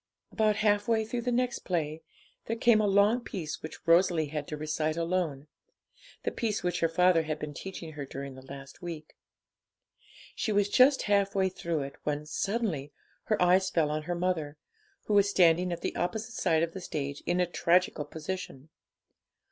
About half way through the next play there came a long piece which Rosalie had to recite alone, the piece which her father had been teaching her during the last week. She was just half way through it, when, suddenly, her eyes fell on her mother, who was standing at the opposite side of the stage in a tragical position.